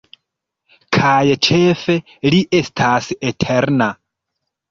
Kaj ĉefe, li estas eterna.